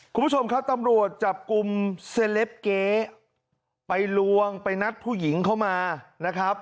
คุณผู้ชมครับตำรวจจับกลุ่มเซลปเก๊ไปลวงไปนัดผู้หญิงเข้ามานะครับ